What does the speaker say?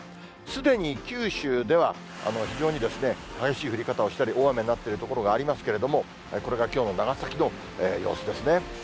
すでに九州では、非常に激しい降り方をしたり、大雨になっている所がありますけれども、これがきょうの長崎の様子ですね。